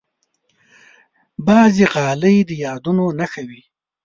بعضې غالۍ د یادونو نښه وي.